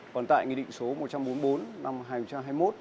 còn tại nghị định số một trăm bốn mươi bốn năm hai nghìn hai mươi một